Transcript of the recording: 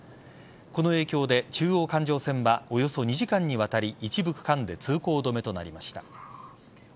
この影響で中央環状線はおよそ２時間にわたり一部区間で通行止めとなりました。